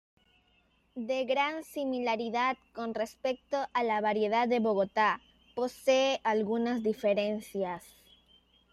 De gran similaridad con respecto a la variedad de Bogotá, posee algunas diferencias.